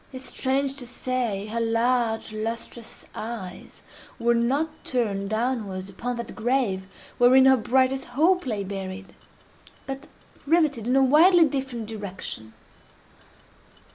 Yet—strange to say!—her large lustrous eyes were not turned downwards upon that grave wherein her brightest hope lay buried—but riveted in a widely different direction!